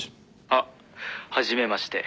「あっはじめまして。